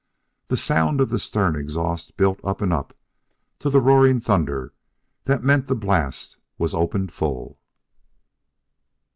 The sound of the stern exhaust built up and up to the roaring thunder that meant the blast was opened full....